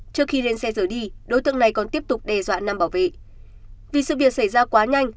trước khi lên xe rời đi đối tượng này còn tiếp tục đe dọa nam bảo vệ vì sự việc xảy ra quá nhanh